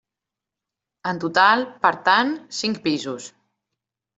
En total, per tant, cinc pisos.